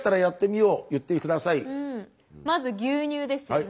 まず牛乳ですよね。